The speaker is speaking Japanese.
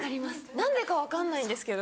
何でか分かんないんですけど。